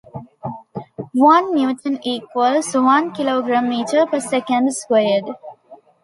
One newton equals one kilogram metre per second squared.